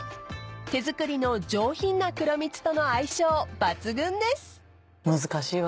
［手作りの上品な黒蜜との相性抜群です］